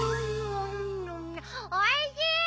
おいしい！